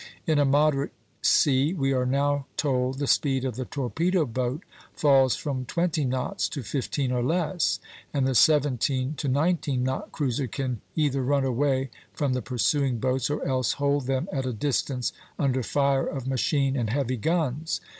In a moderate sea, we are now told, the speed of the torpedo boat falls from twenty knots to fifteen or less, and the seventeen to nineteen knot cruiser can either run away from the pursuing boats, or else hold them at a distance under fire of machine and heavy guns.